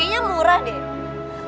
jadinya murah deh